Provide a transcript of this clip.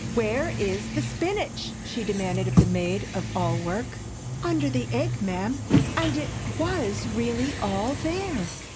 "Where is the spinach?" she demanded of the maid of all work. "Under the egg, ma'am!" And it was really all there.